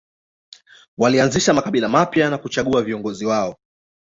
Walianzisha makabila mapya na kuchagua viongozi wao.